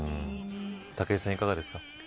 武井さん、いかがですか。